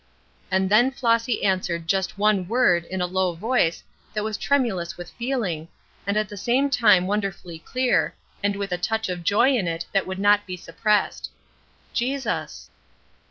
And then Flossy answered just one word in a low voice that was tremulous with feeling, and at the same time wonderfully clear, and with a touch of joy in it that would not be suppressed, "Jesus."